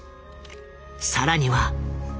更には。